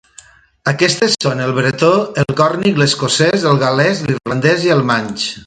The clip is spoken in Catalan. Aquestes són el bretó, el còrnic, l'escocès, el gal·lès, l'irlandès i el manx.